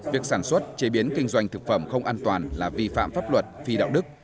việc sản xuất chế biến kinh doanh thực phẩm không an toàn là vi phạm pháp luật phi đạo đức